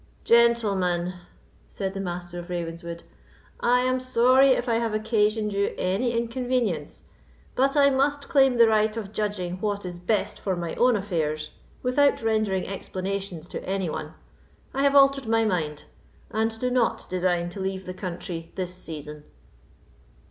"Gentlemen," said the Master of Ravenswood, "I am sorry if I have occasioned you any inconvenience, but I must claim the right of judging what is best for my own affairs, without rendering explanations to any one. I have altered my mind, and do not design to leave the country this season."